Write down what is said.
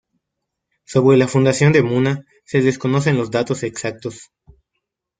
Sobre la fundación de Muna se desconocen los datos exactos.